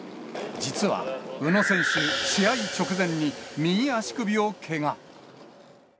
実は宇野選手、試合直前に右足首をけが。